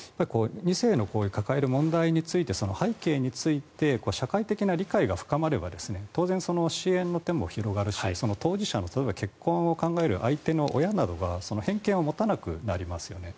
２世の抱える問題についてその背景について社会的な理解が深まれば当然、支援の手も広がるし当事者の、例えば結婚を考える相手の親などが偏見を持たなくなりますよね。